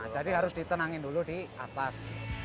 jadi harus ditenangin dulu di atas